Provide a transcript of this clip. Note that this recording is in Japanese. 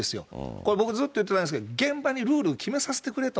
これ僕、ずっと言ってるんですけど、現場にルールを決めさせてくれと。